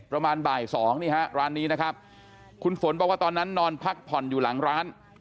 ประมาณบ่ายสองนี่ฮะร้านนี้นะครับคุณฝนบอกว่าตอนนั้นนอนพักผ่อนอยู่หลังร้าน